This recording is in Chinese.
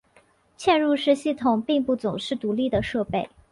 嵌入式系统并不总是独立的设备。